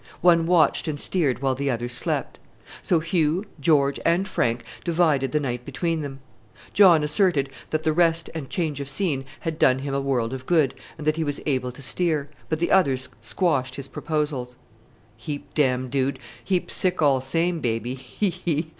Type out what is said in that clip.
One watched and steered while the others slept. So Hugh, George, and Frank divided the night between them. John asserted that the rest and change of scene had done him a world of good and that he was able to steer; but the others squashed his proposals. "Heap dam dood! heap sick all same baby, he! he!"